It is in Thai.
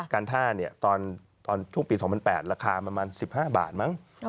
การท่าเนี่ยตอนช่วงปี๒๐๐๘ราคาประมาณ๑๕บาทมั้ง